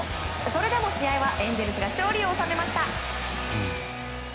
それでも試合はエンゼルスが勝利を収めました。